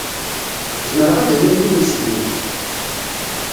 Zemreɣ ad awiɣ yiwen seg wi?